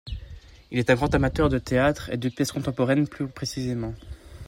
Il est un grand amateur de théâtre et de pièces contemporaines plus précisément.